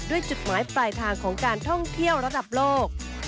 จุดหมายปลายทางของการท่องเที่ยวระดับโลก